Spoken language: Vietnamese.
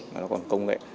mà nó còn công nghệ